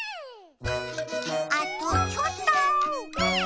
あとちょっと。